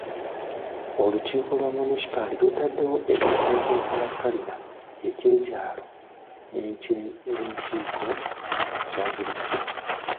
Olukiiko lwa munisipaali lutaddewo ekifo eky'enkalakkalira eky'ekyalo n'enkiiko eza bulijjo.